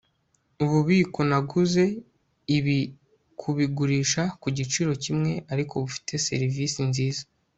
Ububiko naguze ibi kubigurisha ku giciro kimwe ariko bufite serivisi nziza